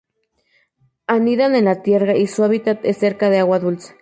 Anidan en la tierra, y su hábitat es cerca de agua dulce.